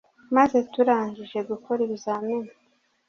maze turangije gukora ibizamini